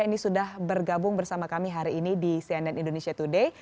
ini sudah bergabung bersama kami hari ini di cnn indonesia today